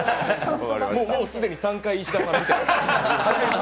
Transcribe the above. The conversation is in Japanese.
もう既に３回、石田さん見てます。